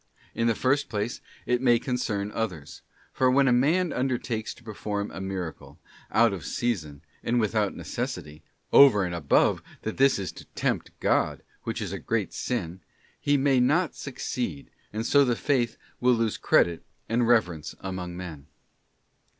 In the first place, it may concern others; for when a man undertakes to perform a miracle, out of season, and without necessity—over and above that this is to tempt God, which is a great sin—he may not succeed, and so the faith will lose credit and reverence among men.